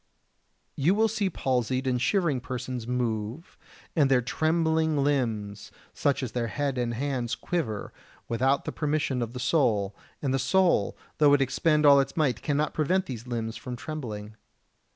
72. You will see palsied and shivering persons move, and their trembling limbs, such as their head and hands, quiver, without the permission of the soul, and the soul, though it expend all its might, cannot prevent these limbs from trembling.